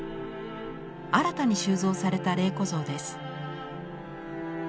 新たに収蔵された麗子像です。